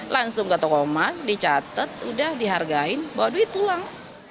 langsung ke toko emas dicatat udah dihargain bawa duit pulang